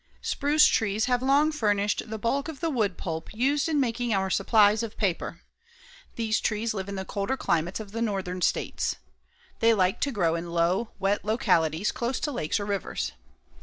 Spruce trees have long furnished the bulk of the woodpulp used in making our supplies of paper. These trees live in the colder climates of the northern states. They like to grow in low, wet localities close to lakes or rivers.